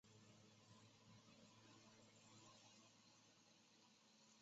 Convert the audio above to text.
这个方法的原理很简单